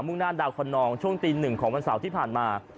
่งหน้าดาวคนนองช่วงตีหนึ่งของวันเสาร์ที่ผ่านมา